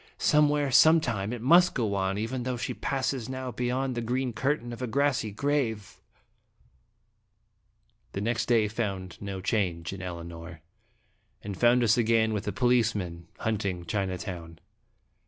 Some where, some time, it must go on, even though she passes now behind the green curtain of a grassy grave !" ACT III. The next day found no change in Elinor, and found us again with the policemen, hunt ing Chinatown.